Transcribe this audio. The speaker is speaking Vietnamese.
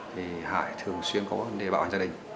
thì hải thường xuyên có vấn đề bạo hành gia đình